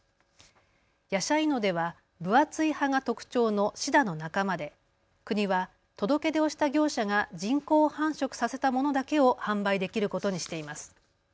ヤシャイノデは分厚い葉が特徴のシダの仲間で国は届け出をした業者が人工繁殖させたものだけを販売できることにしています。